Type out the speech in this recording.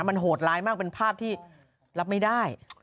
มันโหดร้ายมากเป็นภาพที่รับไม่ได้